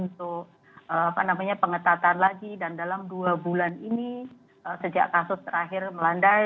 tapi hanya detail langsung